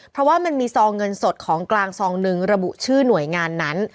เพราะว่ามันมีซองเงินสดของกลางซองหนึ่งระบุชื่อหน่วยงานนั้น